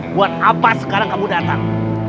buat apa sekarang kamu datang